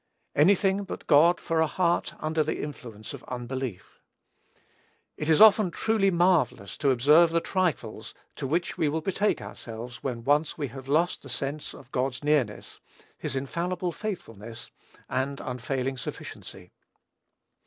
Any thing but God for a heart under the influence of unbelief. It is often truly marvellous to observe the trifles to which we will betake ourselves when once we have lost the sense of God's nearness, his infallible faithfulness, and unfailing sufficiency.